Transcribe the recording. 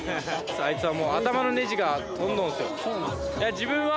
あいつはもう頭のネジが飛んどぉんすよ。